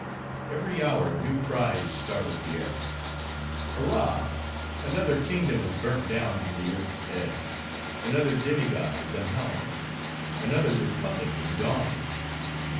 Every hour new cries startled the air. "Hurrah! another, kingdom is burnt down to the earth's edge; another demigod is unhelmed; another republic is dawning.